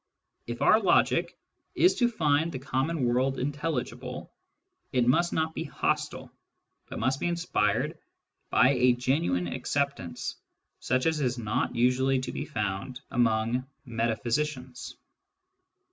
If our logic is to find the common world intelligible, it must not be hostile, but must be in by a genuine acceptance such as is not usually found among metaphysicians.